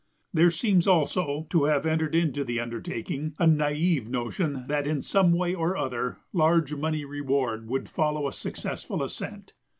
There seems also to have entered into the undertaking a naïve notion that in some way or other large money reward would follow a successful ascent.